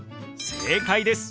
正解です！